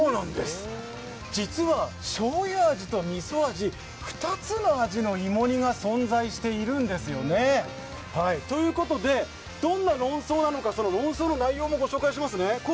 実はしょうゆ味とみそ味、２つの味の芋煮が存在しているんですよね。ということでどんな論争なのか論争の内容もご紹介しますね。